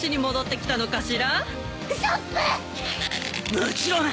もちろん！